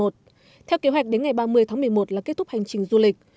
theo kế hoạch đến ngày ba mươi tháng một mươi một là kết thúc hành trình du lịch